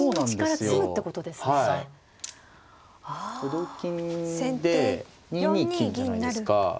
同金で２二金じゃないですか。